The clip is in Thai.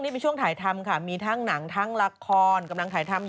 คือจะต้องยุ่งตลอดเวลานะคะ